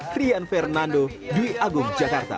frian fernando dwi agung jakarta